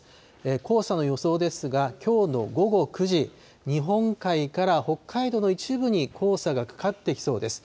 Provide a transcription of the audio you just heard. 黄砂の予想ですが、きょうの午後９時、日本海から北海道の一部に黄砂がかかってきそうです。